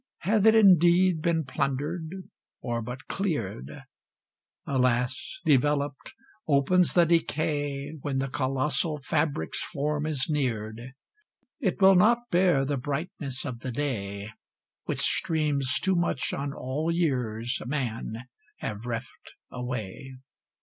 Hath it indeed been plundered, or but cleared? Alas! developed, opens the decay, When the colossal fabric's form is neared: It will not bear the brightness of the day, Which streams too much on all years, man, have reft away.